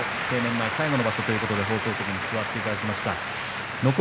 定年前最後の場所ということで放送席に座っていただきました。